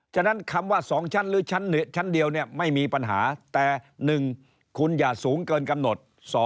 ฉะนั้นคำว่า๒ชั้นหรือชั้นเดียวเนี่ยไม่มีปัญหาแต่๑คุณอย่าสูงเกินกำหนด